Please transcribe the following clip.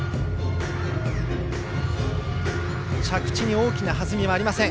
着地に大きな弾みはありません。